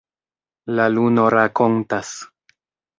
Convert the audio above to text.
La luno rakontas.